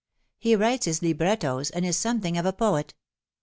He writes his librettos, and is something of a poet.